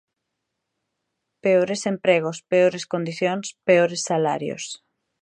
Peores empregos, peores condicións, peores salarios.